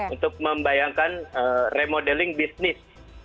untuk membayangkan remodeling bisnis